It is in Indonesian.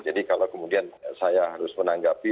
jadi kalau kemudian saya harus menanggapi